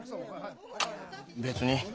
別に。